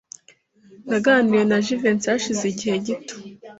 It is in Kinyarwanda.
Naganiriye na Jivency hashize igihe gito.